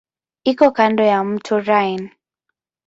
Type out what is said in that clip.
Iko kando ya mto Rhine.